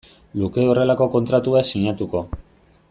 luke horrelako kontratu bat sinatuko.